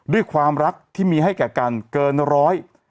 ด้วยความรักที่มีให้แก่กันเกินร้อย